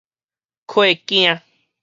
契囝